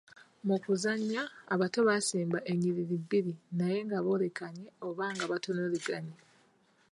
"Mu kuguzannya, abato basimba ennyiriri bbiri naye nga boolekanye oba nga batunuuliganye."